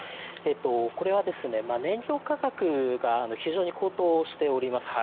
これは燃料価格が非常に高騰しております。